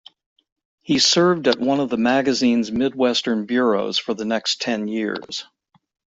He served at one of the magazine's midwestern bureaus for the next ten years.